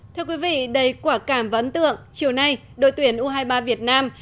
thưa quý vị đầy quả cảm và ấn tượng chiều nay đội tuyển u hai mươi ba việt nam